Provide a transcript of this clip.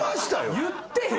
言ってへん。